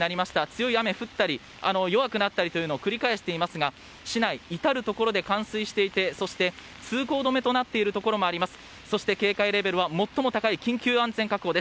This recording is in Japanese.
強い雨が降ったり弱くなったりというのを繰り返していますが市内至るところで冠水していて、通行止めとなっているところもあります。